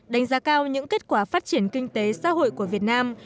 đánh giá cao những kết quả phát triển kinh tế xã hội của việt nam